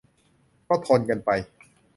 ก็ทนกันไป